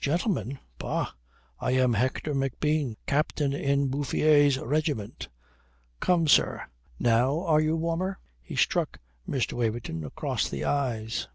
"Gentleman? Bah, I am Hector McBean, Captain in Bouffiers' regiment. Come, sir, now are you warmer?" He struck Mr. Waverton across the eyes.